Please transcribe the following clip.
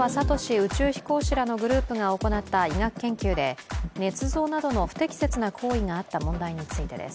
宇宙飛行士らのグループらが行った医学研究でねつ造などの不適切な行為が会った問題についてです。